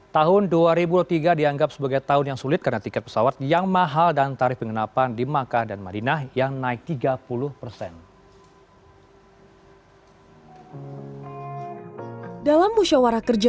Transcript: tahun dua ribu dua puluh tiga dianggap sebagai tahun yang sulit karena tiket pesawat yang mahal dan tarif penginapan di makkah dan madinah yang naik tiga puluh persen